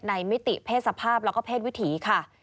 มิติเพศสภาพแล้วก็เพศวิถีค่ะ